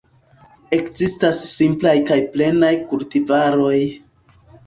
Ekzistas simplaj kaj plenaj kultivaroj.